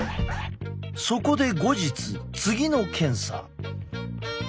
そこで後日次の検査。